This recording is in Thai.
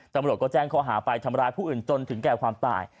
ตำรวจก็แจ้งข้อหาไปทำร้ายผู้อื่นจนถึงแก่ความตาย